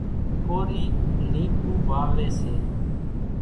ڪورِي لينٻُو واويَ سي۔